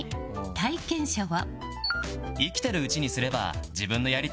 体験者は。